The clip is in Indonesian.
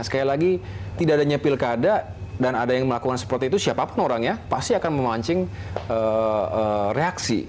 sekali lagi tidak adanya pilkada dan ada yang melakukan seperti itu siapapun orangnya pasti akan memancing reaksi